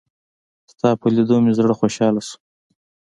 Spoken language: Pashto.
ستا په لېدو مې زړه خوشحاله شو.